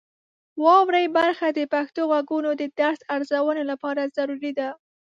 واورئ برخه د پښتو غږونو د درست ارزونې لپاره ضروري ده.